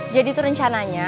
jadi tuh rencananya